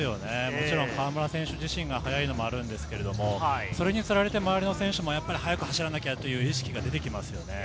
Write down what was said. もちろん河村選手自身がというのもありますが、それにつられて周りの選手も速く走らなきゃっていう意識が出てきますよね。